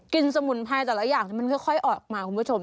สมุนไพรแต่ละอย่างที่มันค่อยออกมาคุณผู้ชม